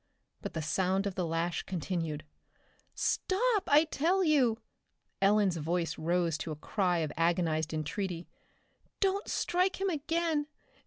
But the sound of the lash continued. "Stop, I tell you!" Ellen's voice rose to a cry of agonized entreaty. "Don't strike him again.